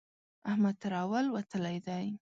احمد تر اول وتلی دی.